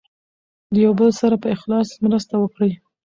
د یو بل سره په اخلاص مرسته وکړئ.